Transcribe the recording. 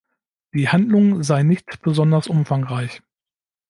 Die Handlung sei nicht besonders umfangreich.